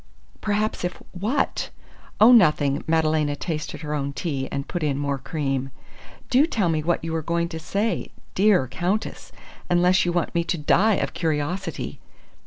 "Perhaps if what?" "Oh, nothing!" Madalena tasted her own tea and put in more cream. "Do tell me what you were going to say, dear Countess, unless you want me to die of curiosity."